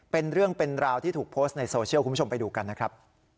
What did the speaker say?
เป็นเรื่องเป็นราวที่ถูกโพสต์ในโซเชียลคุณผู้ชมไปดูกันนะครับ